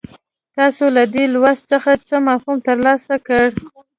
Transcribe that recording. تاسو له دې لوست څخه څه مفهوم ترلاسه کړ.